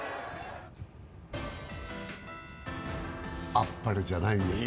あっぱれじゃないですか？